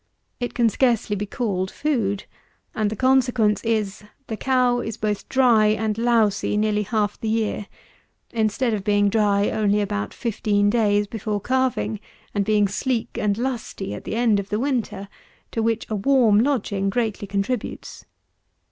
It can scarcely be called food; and the consequence is, the cow is both dry and lousy nearly half the year; instead of being dry only about fifteen days before calving, and being sleek and lusty at the end of the winter, to which a warm lodging greatly contributes.